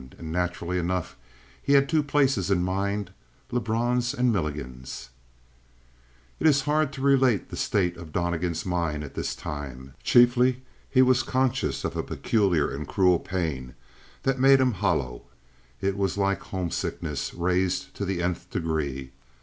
And naturally enough he had two places in mind Lebrun's and Milligan's. It is hard to relate the state of Donnegan's mind at this time. Chiefly, he was conscious of a peculiar and cruel pain that made him hollow; it was like homesickness raised to the nth degree.